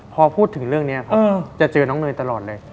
พอพูดถึงเรื่องนี้ครับจะเจอน้องเนยตลอดเลย